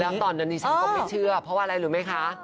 แล้วตอนนั้นดิฉันก็ไม่เชื่อเพราะว่าอะไรรู้ไหมคะ